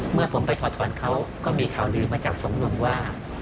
เมื่อผมไปถอดถอนเขาก็มีข่าวลือมาจากสองหนุ่มว่า